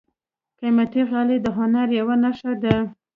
قیمتي غالۍ د هنر یوه نښه ده.